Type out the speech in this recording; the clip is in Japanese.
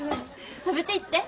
食べていって！